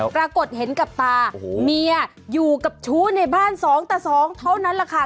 ปรากฏเห็นกับตาเมียอยู่กับชู้ในบ้านสองต่อสองเท่านั้นแหละค่ะ